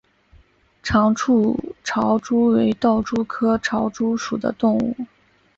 长触潮蛛为盗蛛科潮蛛属的动物。